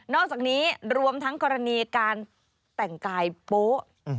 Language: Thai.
อกจากนี้รวมทั้งกรณีการแต่งกายโป๊ะ